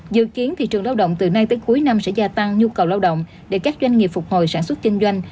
dự kiến thị trường lao động từ nay tới cuối năm sẽ gia tăng nhu cầu lao động để các doanh nghiệp phục hồi sản xuất kinh doanh